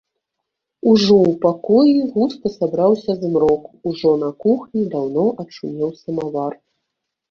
Ужо ў пакоі густа сабраўся змрок, ужо на кухні даўно адшумеў самавар.